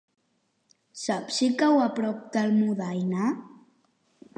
Saps si cau a prop d'Almudaina?